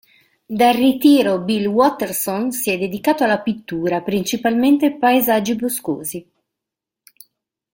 Dal ritiro, Bill Watterson si è dedicato alla pittura, principalmente paesaggi boscosi.